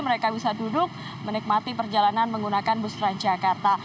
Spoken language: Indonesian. mereka bisa duduk menikmati perjalanan menggunakan bus transjakarta